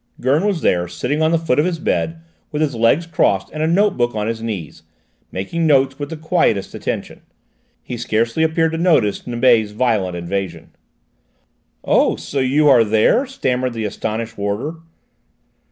Gurn was there, sitting on the foot of his bed with his legs crossed and a note book on his knees, making notes with the quietest attention: he scarcely appeared to notice Nibet's violent invasion. "Oh! So you are there?" stammered the astonished warder.